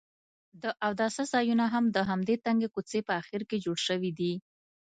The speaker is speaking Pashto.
د اوداسه ځایونه هم د همدې تنګې کوڅې په اخر کې جوړ شوي دي.